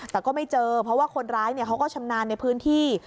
แต่ก็ไม่เจอเพราะว่าคนร้ายเขาก็ชำนาญในพื้นที่